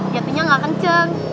jatuhnya nggak kenceng